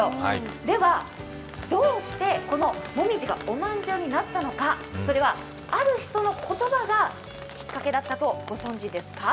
ではどうしてこのもみじがおまんじゅうになったのか、それは、ある人の言葉がきっかけだったとご存じですか。